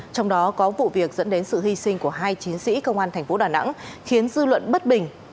trong đó có vụ việc dẫn đến sự hy sinh của hai chiến sĩ công an thành phố đà nẵng khiến dư luận bất bình